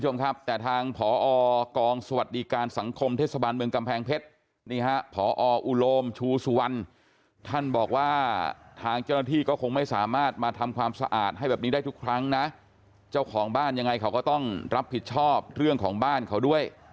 แล้วเขาก็ให้ความร่วมมือกับเราดีตลอด